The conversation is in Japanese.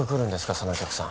そのお客さん